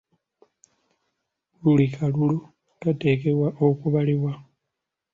Buli kalulu kateekeddwa okubalibwa.